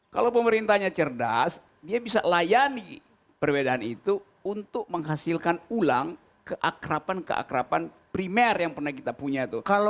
kalau pemerintahnya cerdas dia bisa layani perbedaan itu untuk menghasilkan ulang keakrapan keakrapan primer yang pernah kita punya tuh